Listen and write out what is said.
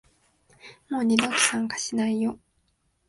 もう二度と参加しないよ